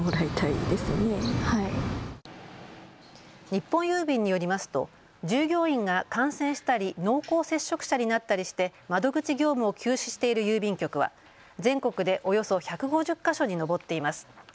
日本郵便によりますと従業員が感染したり濃厚接触者になったりして窓口業務を休止している郵便局は全国でおよそ１５０か所に上っています。